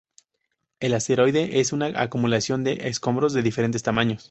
El asteroide es una acumulación de escombros de diferentes tamaños.